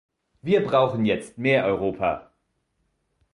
Wir brauchen jetzt mehr Europa!